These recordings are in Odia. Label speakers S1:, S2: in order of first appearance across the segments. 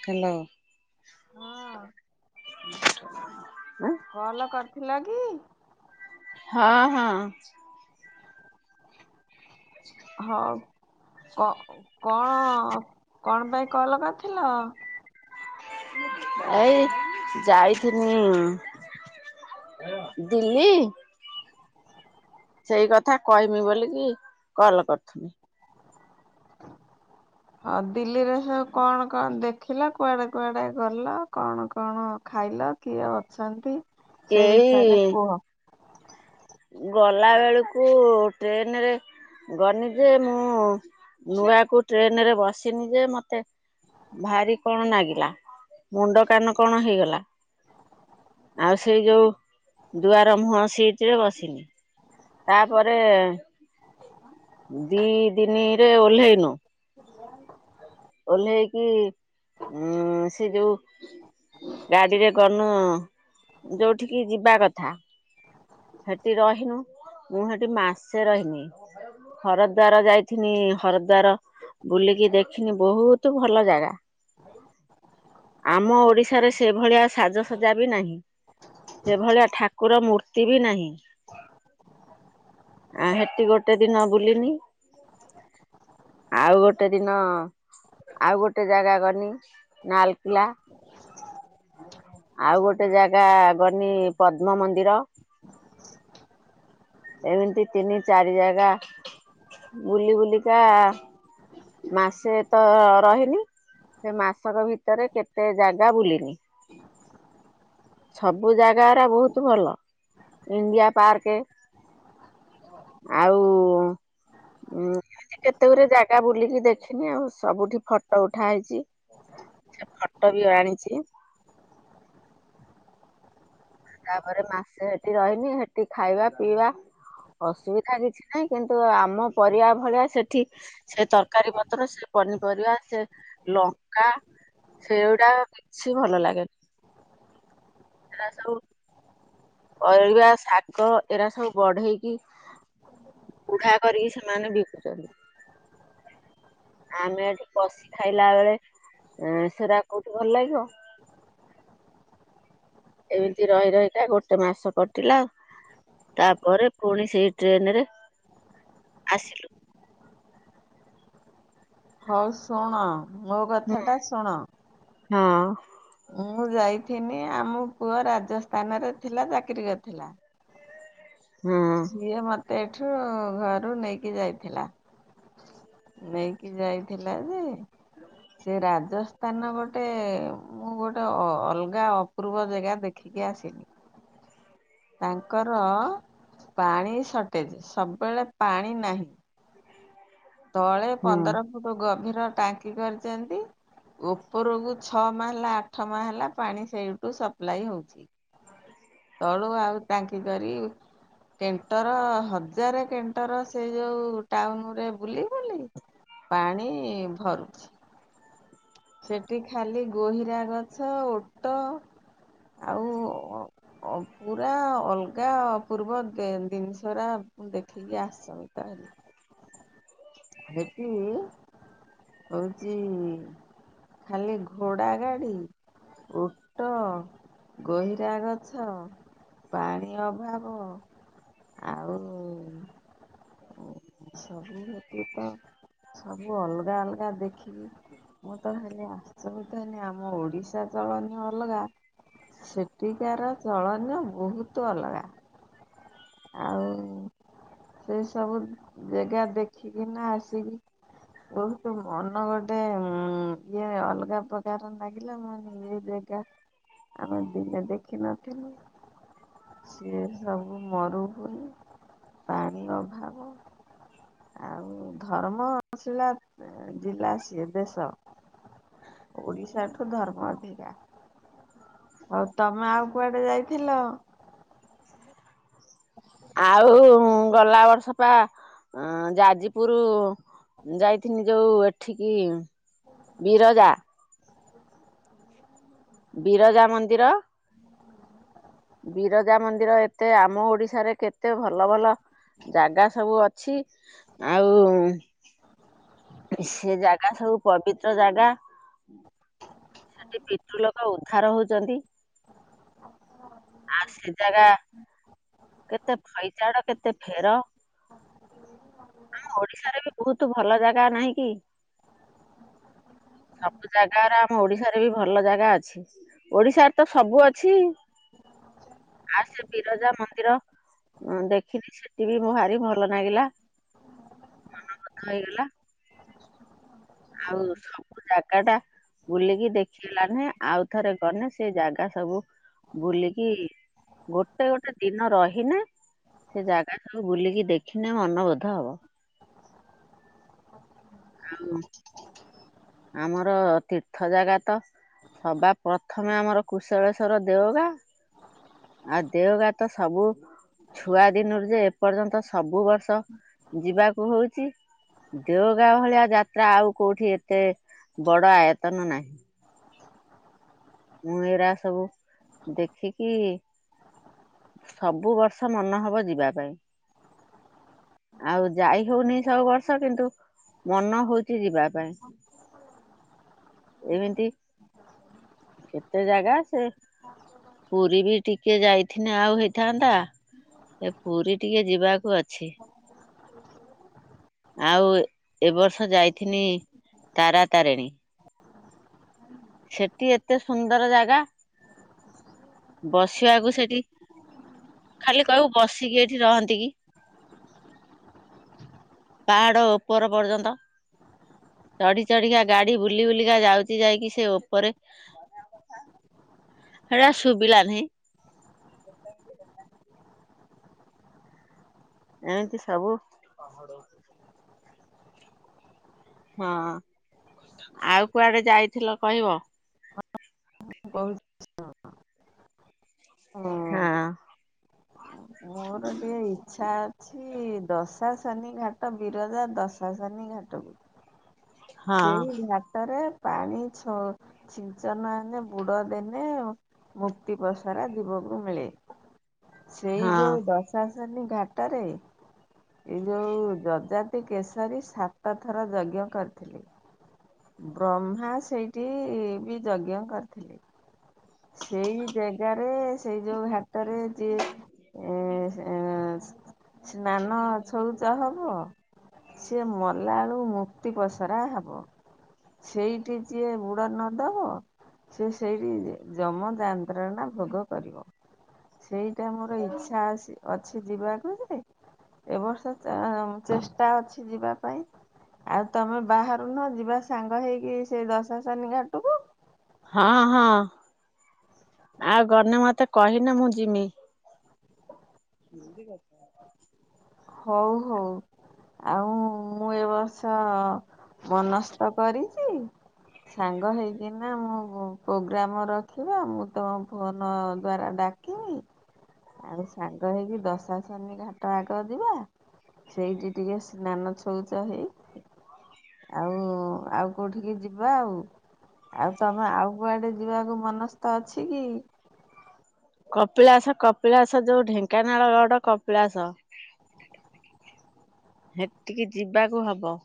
S1: ହ୍ୟାଲୋ।
S2: ହଁ।
S1: ଆଁ।
S2: କଲ କରିଥିଲ କି?
S1: ହଁ ହଁ।
S2: ହଁ କ କଣ କଣପାଇଁ କଲ୍ କରିଥିଲ?
S1: ଏଇ ଯାଇଥିନି ଦିଲ୍ଲୀ। ସେଇ କଥା କହିମି ବୋଲିକି କଲ୍ କରୁଥୁନି।
S2: ହଁ ଦିଲ୍ଲୀରେ ସୁବୁ କଣ କଣ ଦେଖିଲ, କୁଆଡେ କୁଆଡେ ଗଲ, କଣ କଣ ଖାଇଲ? କିଏ ଅଛନ୍ତି ସେଇ
S1: ଏଇ
S2: ବିଷୟରେ କୁହ।
S1: ଗଲାବେଳକୁ ଟ୍ରେନେରେ ଗନିଯେ ମୁଁ ନୂଆକୁ ଟ୍ରେନରେ ବସିନି ଯେ ମତେ ଭାରି କଣ ନାଗିଲା ମୁଣ୍ଡ କାନ କଣ ହେଇଗଲା। ଆଉ ସେଇ ଯୋଉ ଦୁଆର ମୁହଁ ସିଟିରେ ବସିନି। ତାପରେ ଦି ଦିନିରେ ଓହ୍ଲେଇନୁ।
S2: [inaudible]
S1: ଓହ୍ଲେଇକି ଉଁ ସେ ଯୋଉ ଗାଡିରେ ଗନୁ ଯଉଠିକି ଯିବାକଥା। ହେଟିି ରହିନୁ ମୁଁ ହେଟି ମାସେ ରହିନି। ହରଦ୍ୱାର ଯାଇଥିନି ହରଦ୍ୱାର ବୁଲିକି ଦେ ଥିନୀ ବହୁତ ଭଲ ଜାଗା। ଆମ ଓଡିଶାରେ ସେଭଳିଆ ସାଜସଜା ବି ନାହିଁ। ସେଭଳିଆ ଠାକୁର ମୂର୍ତ୍ତିବି ନାହିଁ। ଆ ହେଟୀ ଗୋଟେ ଦିନ ବୁଲିନି। ଆଉ ଗୋଟେ ଦିନ ଆଉ ଗୋଟେ ଜାଗା ଗନି ନାଲକିଲା। ଆଉ ଗୋଟେ ଜାଗା ଗନି ପଦ୍ମ ମନ୍ଦିର। ଏମିତି ତିନି ଚାରି ଜାଗା ବୁଲି ବୁଲିକା ମାସେ ତ ରହିନି। ସେମାସକ ଭିତରେ କେତେ ଜାଗା ବୁଲିନି। ସବୁ ଜାଗାରା ବହୁତ ଭଲ ଇଣ୍ଡିଆ ପାର୍କ। ଆଉ ଉଁ କେତେ ଗୁରେ ଜାଗା ବୁଲିକି ଦେଖିନି ଆଉ ସବୁଠି ଫଟ ଉଠା ହେଇଛି। ସେ ଫଟ ବି ଆଣିଛି। ତାପରେ ମାସେ ହେଟି ରହିନି ହେଟି ଖାଇବା ପିଇବା ଅସୁବିଧା କିଛି ନାହିଁ କିନ୍ତୁ ଆମ ପରିବା ଭଳିଆ ସେଠି ସେ ତରକାରୀ ପତ୍ର ସେ ପନିପରିବା ସେ ଲଙ୍କା ସେଉଡ଼ା ଏ କିଛି ଭଲ ଲାଗେନା, ସେଟା ସବୁ ପରିବା ଶାଗ ଏରା ସବୁ ବଢେଇକି ବୁଢା କରିକି ସେମାନେ ବିକୁଚନ୍ତି। ଆମେ ଏଠି କଶି ଖାଇଲା ବେଳେ ଏଁ, ସେରା କୋଉଠି ଭଲ ଲାଗିବ। ଏମିତି ରହି ରହିକା ଗୋଟେ ମାସ କଟିଲା। ତାପରେ ପୁଣି ସେଇ ଟ୍ରେନ୍ ରେ ଆସିଲୁ।
S2: ହଁ ଶୁଣ ମୋ କଥା ଟା ଶୁଣ।
S1: ହଁ।
S2: ମୁଁ ଯାଇଥିନି ଆମ ପୁଅ ରାଜସ୍ଥାନରେ ଥିଲା ଚାକିରୀ କରିଥିଲା।
S1: ହଁ
S2: ସିଏ ମୋତେ ଏଠୁ ଘରୁ ନେଇକି ଯାଇଥିଲା। ନେଇକି ଯାଇଥିଲା ଯେ ସିଏ ରାଜସ୍ ସ୍ଥାନ ଗୋଟେ ମୁଁ ଗୋଟେ ଅ, ଅଲଗା ଅପୂର୍ବ ଜାଗା ଦେଖିକି ଆସିନି।
S1: ହ [inaudible]
S2: ତାଙ୍କର ପାଣି ସଟେଜେ, ସବୁବେଳେ ପାଣି ନାହିଁ, ତଳେ
S1: ହଁ
S2: ପନ୍ଦର ଫୁଟ୍ ଗଭୀର ଟାଙ୍କି କରିଚନ୍ତି। ଉପରକୁ ଛଅ ମାହେଲା ଆଠ ମାହେଲା ପାଣି ସେଇଠୁ ସପ୍ଲାଏ ହଉଛି। ତଳୁ ଆଉ ଟାଙ୍କି କରି କେଣ୍ଟର ହଜାରେ କେଣ୍ଟର ସେ ଯୋଉ ଟାଉନ୍ ରେ ବୁଲି ବୁଲି ପାଣି ଭରୁଛି। ସେଟି ଖାଲି ଗହିରା ଗଛ, ଓଟ ଆଉ ଅ, ପୁରା ଅଲଗା ଅପୂର୍ବ କେ- ଦିନିଷ ଉରା ମୁଁ ଦେଖିକି ଆସ ସମିତ ହେଲି। ହେଟି ହଉଚି ଖାଲି ଘୋଡ଼ା ଗାଡ଼ି। ଉଟ, ଗହିରା ଗଛ। ପାଣି ଅଭାବ, ଆଉ ଓ ହଁ ସବୁ ହେଟି କଁ ସବୁ ଅଲଗା ଅଲଗା ଦେଖିକି ମୁଁ ତ ଖାଲି ଆଚମ୍ବିତ ହେନି ଆମ ଓଡିଶା ଚ ମାନେ ଅଲଗା। ସେଟିକାର ଚଳନ ବହୁତ ଅଲଗା। ଆଉ ସେଇ ସବୁ ଜାଗା ଦେ କିନା ଆସିକି ବହୁତ ମନ ଗୋଟେ ଉଁ, ଇଏ ଅଲଗା ପ୍ରକାର ଲାଗିଲା, ମୁଁ କହିନି ଇଏ ଯେ କା -ଆମେ ଦିନେ ଦେଖିନଥିଲୁ। ସିଏ ସବୁ ମରୁଭୁମି, ପାଣି ଅଭାବ। ଆଉ ଧର୍ମଶିଳା ଏଁ, ଜିଲ୍ଲା ସିଏ ଦେଶ। ଓଡିଶା ଠୁ ଧର୍ମ ଅଧିକା। ହଉ ତୋମେ ଆଉ କୁଆଡେ ଯାଇଥିଲ? [inaudible]
S1: ଆଉ ଉଁ, ଗଲା ବର୍ଷ କୁ ଆ ଅଁ, ଯାଜିପୁରୁ ଯାଇଥିନି ଯୋଉ ଏଠିକି ବିରଜା ବିରଜା ମନ୍ଦିର। ବିରଜା ମନ୍ଦିର ଏତେ ଆମ ଓଡିଶାରେ କେ ଏତେ ଭଲ ଭଲ ଜାଗା ସବୁ ଅଛି, ଆଉ ସେ ଜାଗା ସବୁ ପବିତ୍ର ଜାଗା। ସେଠି ପିତୃ ଲୋକ ଉଦ୍ଧାର ହଉଚନ୍ତି। ଆ ସେ ଜାଗା କେତେ ଫଇଚାଡ କେତେ ଫେର ଆମ ଓଡିଶାରେ ବି ବହୁତ ତୁ ଭଲ ଜାଗା ନାହିଁ କି ସବୁ ଜାଗା ରା ମ ଓଡିଶାରେ ବି ଭଲ ଜାଗା ଅଛି ଓଡିଶାରେ ତ ସବୁ ଅଛି। ଆ ସେ ବିରଜା ମନ୍ଦିର ହଁ ଦେଖିଲି ସେଠି ବିି ମୁଁ ହାରି ଭଲ ନାଗିଲା ମନ ବୋଧ ହେଇଗଲା। ଆଉ ସବୁ ଜାଗା ଟା ବୁଲିକି ଦେଖିଲାନି ଆଉଥରେ ଗନେ ସେ ଜାଗା ସବୁ ବୁଲିକି ଗୋଟେ ଗୋଟେ ଦିନ ରହିନେ ସେ ଜାଗା ସବୁ ବୁଲିକି ଦେଖିନେ ମନବୋଧ ହବ। ଆଉ ଆମର ତୀର୍ଥ ଜାଗା ତ ସବା ପ୍ରଥମେ ଆମର କୁଶଳେଶ୍ୱର ଦେଓଗାଁ। ଆଉ ଦେଓଗାଁ ତ ସବୁ ଛୁଆ ଦିନରୁ ଯେ ଏପର୍ଯ୍ୟନ୍ତ ସବୁ ବର୍ଷ ଯିବାକୁ ହଉଚି। ଦେଓଗାଁ ଭଳିଆ ଯାତ୍ରା, ଆଉ କୋଉଠି ଏତେ ବଡ ଆୟତନ ନାହିଁ। ମୁଁ ଏଇରା ସବୁ ଦେଖିକି ସବୁ ବର୍ଷ ମନ ହବ ଯିବା ପାଇଁ। ଆଉ ଯାଇ ହଉନି ସବୁ ବର୍ଷ କିନ୍ତୁ ମନ ହଉଚି ଯିବା ପାଇଁ ଏମିତି କେତେ ଜାଗା ସେ ପୁରୀ ବି ଟିକେ ଯାଇଥିନେ ଆଉ ହେଇଥାନ୍ତା। ଏ ପୁରୀ ଟିକେ ଯିବାକୁ ଅଛି। ଆଉ ଏ ବର୍ଷ ଯାଇଥିନି ତାରା ତାରିଣୀ। ସେଠି ଏତେ ସୁନ୍ଦର ଜାଗା। ବସିବାକୁ ସେଠି ଖାଲି କହିବୁ ବସିକି ଏଇଠି ରହନ୍ତି କି। ପାହାଡ ଓପର ପର୍ଯ୍ୟନ୍ତ। ଚଢି ଚଢିକା ଗାଡି ବୁଲି ବୁଲିକା ଯାଉଚି ଯାଇକି ସେ ଉପରେ ହେଟା ଶୁଭିଲାନେହିଁ। ଏମତି ସବୁ ହଁ, ଆଉ କୁଆଡେ ଯାଇଥିଲ କହିବ?
S2: ହଁ କହୁଚି
S1: ହଁ।
S2: ମୁଁ- ମୋର ଟିକେ ଇଚ୍ଛା ଅଛି କି ଦଶା ଶନି ଘାଟ ବିରଜା ଦଶା ଶନି ଘାଟ କୁ
S1: ହଁ
S2: ସେଇ ଘାଟରେ ପାଣିଛ ଛିଞ୍ଚନ ହେନେ ବୁଡ ଦେନେ ଏ ମୁକ୍ତି ପସରା ଜୀବକୁ ମିଳେ ସେଇ
S1: ହଁ
S2: ଯୋଉ ଦଶ ଦଶା ସନୀ ଘାଟରେ ଏଇ ଯୋଉ ଯଜାତି କେଶରୀ ସାତ ଥର ଯଜ୍ଞ କରି ଥିଲେ ବ୍ରହ୍ମା ସେଇଠି ବି ଯଜ୍ଞ କରିଥିଲେ। ସେଇ ଜାଗାରେ ସେଇ ଯୋଉ ଘାଟରେ ଯିଏ ଏ ଏଁ ସ ସ୍ନାନ ଛଉଚ ହବ ସିଏ ମଲା ବେଳୁ ମୁକ୍ତି ପସରା ହବ। ସେଇଠି ଯିଏ ବୁଡ ନ ଦବ। ସେ ସେଇଠି ଯମ ଯନ୍ତ୍ରଣା ଭୋଗ କରିବ। ସେଇଟା ମୋର ଇଚ୍ଛା ଅଛି ଅଛି ଯିବାକୁ ଯେ। ଏବ ବର୍ଷ ଚା ଚେଷ୍ଟା ଅଛି ଯିବା ପାଇଁ ଆଉ। ତମେ ବାହାରୁନ ଯିବା ସାଙ୍ଗ ହେଇକି ସେଇ ଦଶା ସନି ଘାଟକୁ।
S1: ହଁ ହଁ, ଆଉ ଗନେ ମତେ କହିନେ ମୁଁ ଯିମି। ହୁଁ ଯିବ।
S2: ହଉ ହଉ। ଆଉ ମୁଁ ଏ ବର୍ଷ ମନସ୍ଥ କରିଛି। ସାଙ୍ଗ ହେଇକିନା ମୁଁ ପ୍ରୋଗ୍ରାମ ରଖିବା। ମୁଁ ତମ ଫୋନ ଦ୍ୱାରା ଡା କିବି ଆଉ ସାଙ୍ଗ ହେଇକି ଦଶା ଶନି ଘାଟ ଆଡେ। ଯିବା, ସେଇଠି ଟିକେ ସ୍ନାନ ଛଉଚ ହେଇକି। ଆଉ, ଆଉ କୋଉଠିକି ଯିବା ଆଉ। ଆଉ ତମେ, ଆଉ କୁଆଡେ ଯିବାକୁ ମନସ୍ଥ ଅଛି କି?
S1: କପିଳାସ, କପିଳାସ ଯୋଉ ଢେଙ୍କାନାଳ ରୋଡ କପିଳାସ। ହେଟିକି ଯିବାକୁ ହବ।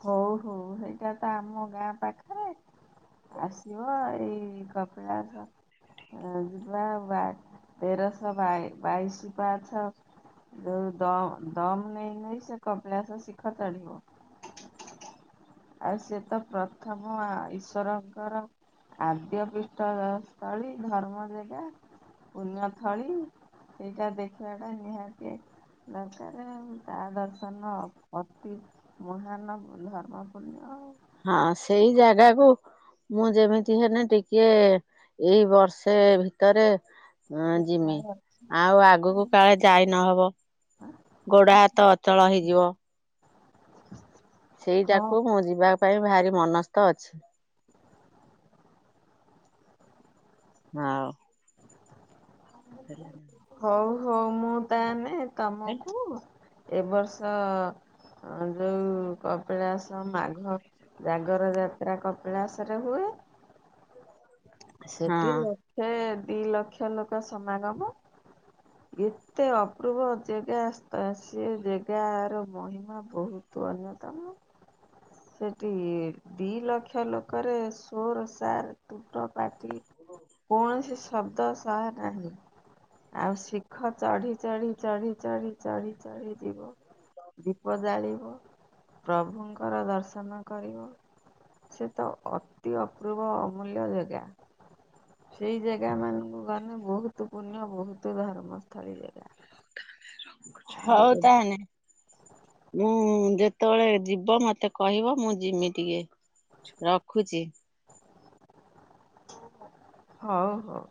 S2: ହଉ ହଉ, ସେଇଟା ତ ଆମ ଗାଁ ପାଖେରେ। ଆସିବ ଏଇ କପିଳାସ। ହଁ ଜିବା ବା, ତେରଶହ ବାଇ ବାଇଶି ପାହାଚ। ଯୋଉ ଦମ, ଦମ ନେଇ ନେଇ ସେ କପିଳାସ ଶିଖର ଚଢିବ। ଆଉ ସିଏ ତ ପ୍ରଥମ ଈଶ୍ଵରଙ୍କର। ଆଦ୍ୟ ପିଷ୍ଠ ସ୍ଥଳୀ ଧର୍ମ ଦେବ ପୁଣ୍ୟଥଳୀ। ସେଇଟା ଦେଖିବା ଟା ନିହାତି। ଦରକାର ଆଉ ତା ଦର୍ଶନ ଅତି ମହାନ ଧର୍ମ। ପୂଣ୍ୟ।
S1: ହଁ ସେଇ ଜାଗାକୁ। ମୁଁ ଯେମିତି ହେଲେ ଟିକେ ଏଇ ବର୍ଷେ ଭିତରେ। ଆଁ ଯିମି ଆଉ ଆଗକୁ କାଳେ ଯାଇ ନହବ। ଗୋଡ ହାତ ଅଚଳ ହେଇଯିବ।
S2: ହଁ
S1: ସେଇଟାକୁ ମୁଁ ଯିବା ପାଇଁ ଭାରି ମନସ୍ଥ ଅଛି। ହଁ। ହେଲା ନା।
S2: ହଉ ହଉ ମୁଁ ତାହେନେ ତମକୁ ଏ ବର୍ଷ। ହଁ ଯୋଉ କପିଳାସ ମାଘ। ଜାଗର ଯାତ୍ରା କପିଳାସ ରେ ହୁଏ।
S1: ହ
S2: ସେଠି ଲକ୍ଷେ ଦି ଲକ୍ଷ ଲୋକ ସମାଗମ। ଏତେ ଅପୂର୍ବ ଜେଗା ସ୍ ସେ ଜେଗାର ମହିମା ବହୁତ ଅନ୍ୟତମ। ସେଠି ଦି ଲକ୍ଷ ଲୋକରେ ସୋର ସାର୍ ତିବ୍ର। ପାଟି କୌଣସି ଶବ୍ଦ ସାଉଣ୍ଡ। ନାହିଁ ଆଉ ଶିଖର ଚଢି ଚଢ଼ି ଚଢି ଚଢ଼ି ଚଢି ଚଢ଼ି ଯିବ। ଦୀପ ଜାଳିବ ପ୍ରଭୁଙ୍କର ଦର୍ଶନ କରିବ। ସେ ତ ଅତି ଅପୂର୍ବ ଅମୂଲ୍ୟ ଜାଗା। ସେଇ ଜାଗା ମାନଙ୍କୁ ଗଲେେ ବହୁତ ପୁଣ୍ୟ ବହୁତ ଧର୍ମସ୍ଥଳୀ ଜାଗା। ଆଉ
S1: ହଉ ତାହେଲେ ମୁଁ ଯେତେବେଳେ ଯିବ ମତେ କହିବ ମୁଁ ଜୀମି ଟିକେ ରଖୁଛି।
S2: ହଉ ହଉ।